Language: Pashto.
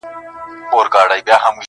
!کابل مه ورانوئ؛